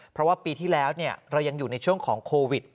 เพราะว่าปีที่แล้วเรายังอยู่ในช่วงของโควิด